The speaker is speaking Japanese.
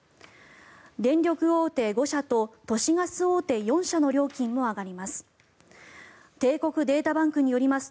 電力大手５社と都市ガス大手４社の料金も上がります。